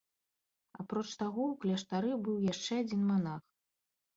Апроч таго, у кляштары быў яшчэ адзін манах.